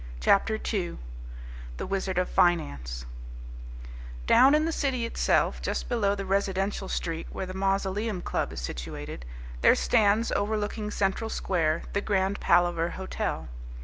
CHAPTER TWO: The Wizard of Finance Down in the City itself, just below the residential street where the Mausoleum Club is situated, there stands overlooking Central Square the Grand Palaver Hotel.